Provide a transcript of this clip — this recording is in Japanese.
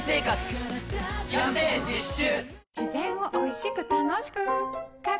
キャンペーン実施中！